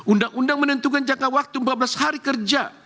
undang undang menentukan jangka waktu empat belas hari kerja